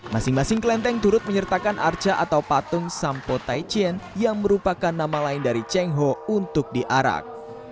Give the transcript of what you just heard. masing masing klenteng turut menyertakan arca atau patung sampo taicien yang merupakan nama lain dari cengho untuk diarak